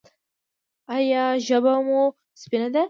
ایا ژبه مو سپینه ده؟